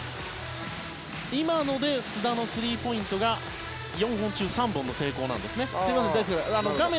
今ので須田のスリーポイントが４本中３本の成功なんですね。